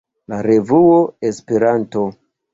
la revuo Esperanto.